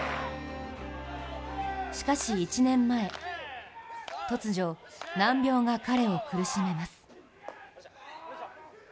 しかし１年前、突如、難病が彼を苦しめます。